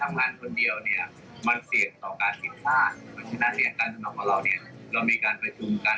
ไม่มีความดังใจเลยค่ะ